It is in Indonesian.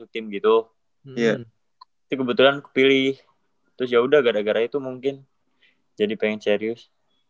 terus kebetulan kepilih terus yaudah gara gara itu mungkin jadi pengen serius